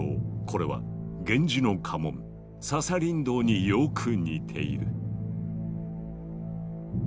これは源氏の家紋笹竜胆によく似ている。